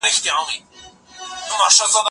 زه به قلم استعمالوم کړی وي،